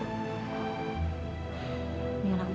ini yang aku ketemu kamu